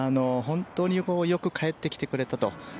本当によく帰ってきてくれたと。